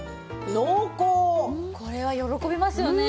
これは喜びますよね